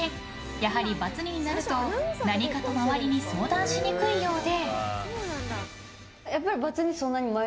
やはりバツ２になると何かと周りに相談しにくいようで。